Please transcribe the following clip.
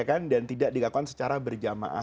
kan dan tidak dilakukan secara berjamaah